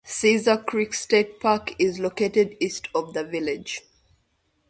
Caesar Creek State Park is located east of the village.